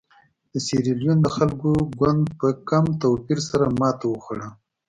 د سیریلیون د خلکو ګوند په کم توپیر سره ماته وخوړه.